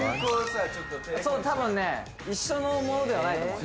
多分ね一緒のものではないと思う